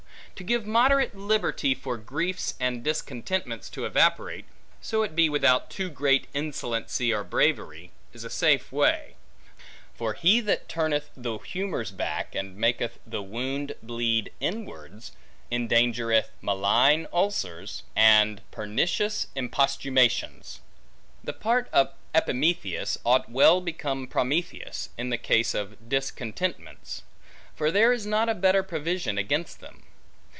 To give moderate liberty for griefs and discontentments to evaporate (so it be without too great insolency or bravery), is a safe way. For he that turneth the humors back, and maketh the wound bleed inwards, endangereth malign ulcers, and pernicious imposthumations. The part of Epimetheus mought well become Prometheus, in the case of discontentments: for there is not a better provision against them.